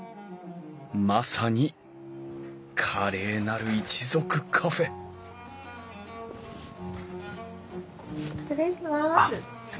まさに「華麗なる一族カフェ」失礼します。